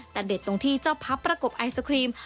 แต่เด็ดตรงที่เจ้าพับประกบไอศครีม